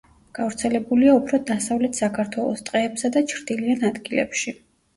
გავრცელებულია უფრო დასავლეთ საქართველოს ტყეებსა და ჩრდილიან ადგილებში.